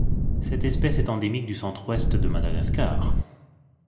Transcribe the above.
Cette espèce est endémique du centre-Ouest de Madagascar.